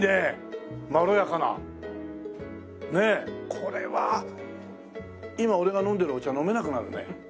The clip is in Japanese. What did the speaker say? これは今俺が飲んでるお茶飲めなくなるね。